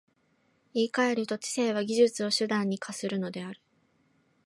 言い換えると、知性は技術を手段に化するのである。